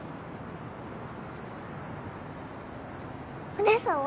お姉さんは？